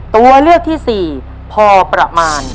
ตัวเลือกที่๔พอประมาณ